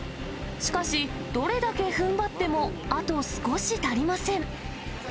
しかし、どれだけふんばってもあと少し足りません。